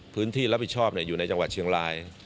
พื้นที่รับผิดชอบอยู่ในจังหวัดเชียงราย